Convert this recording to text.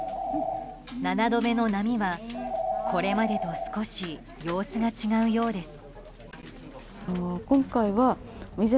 ７度目の波は、これまでと少し様子が違うようです。